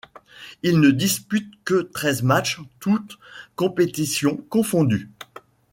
Il ne dispute que treize matchs toutes compétitions confondues.